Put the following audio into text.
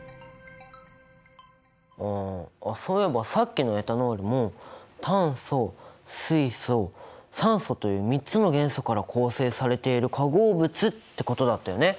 ああっそういえばさっきのエタノールも炭素水素酸素という３つの元素から構成されている化合物ってことだったよね。